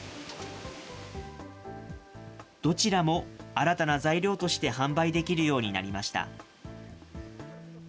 どちらも新たな材料として販売できるようになりました。